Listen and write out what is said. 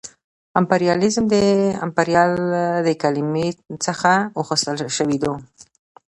امپریالیزم د امپریال له کلمې څخه اخیستل شوې ده